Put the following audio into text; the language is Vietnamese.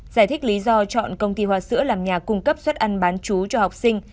giải thích lý do chọn công ty hòa sữa làm nhà cung cấp xuất ăn bàn chú cho học sinh